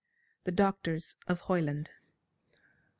THE DOCTORS OF HOYLAND. Dr.